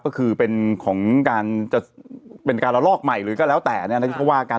ก็คือเป็นของการจะเป็นการละลอกใหม่หรือก็แล้วแต่ที่เขาว่ากัน